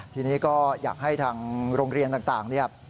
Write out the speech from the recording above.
ทีนี้ก็อยากให้ทางโรงเรียนต่างเนี่ย